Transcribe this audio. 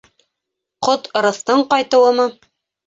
Ҡот-ырыҫтың ҡайтыуымы?